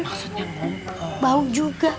maksudnya mau bau juga